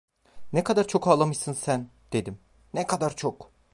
"Ne kadar çok ağlamışsın sen" dedim, "ne kadar çok."